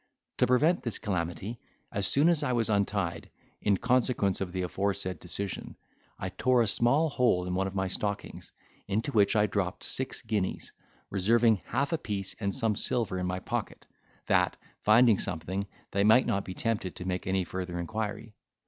To prevent this calamity, as soon as I was untied, in consequence of the aforesaid decision, I tore a small hole in one of my stockings, into which I dropped six guineas, reserving half a piece and some silver in my pocket, that, finding something, they might not be tempted to make any further inquiry.